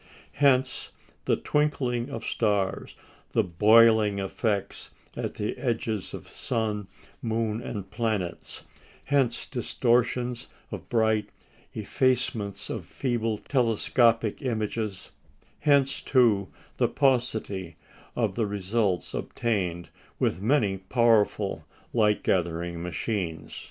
Hence the twinkling of stars, the "boiling" effects at the edges of sun, moon, and planets; hence distortions of bright, effacements of feeble telescopic images; hence, too, the paucity of the results obtained with many powerful light gathering machines.